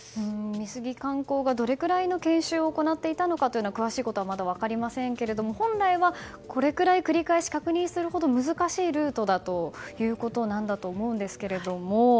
美杉観光がどれくらいの研修を行っていたのか詳しいことはまだ分かりませんけど本来はこれくらい繰り返し確認するほど難しいルートだということだと思うんですけれども。